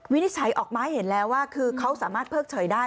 นิจฉัยออกมาให้เห็นแล้วว่าคือเขาสามารถเพิกเฉยได้